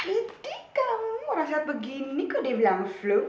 ini kamu orang sehat begini kok dibilang flu